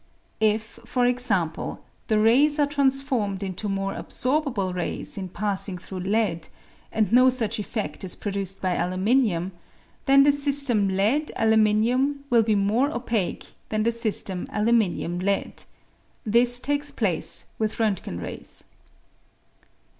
If, for example, the rays are transformed into more absorbable rays in passing through lead, and no such effedt is produced by aluminium, then the system lead aluminium will be more opaque than the system aluminium lead ; this takee place with Rontgen rays.